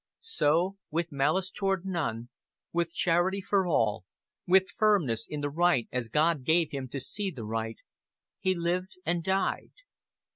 So, "with malice toward none, with charity for all, with firmness in the right as God gave him to see the right" he lived and died.